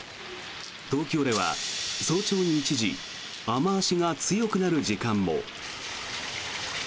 東京では早朝に一時、雨脚が強くなる時間も。